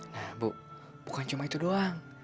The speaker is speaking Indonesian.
nah bu bukan cuma itu doang